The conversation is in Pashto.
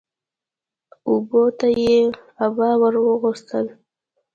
اوبو ته يې عبا ور واغوستل